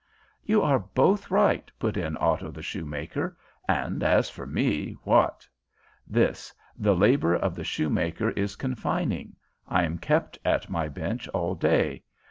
"You are both right," put in Otto the Shoemaker. "And as for me, what? This: the labor of the shoemaker is confining. I am kept at my bench all day.